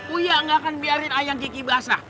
uya gak akan biarin ayang kiki basah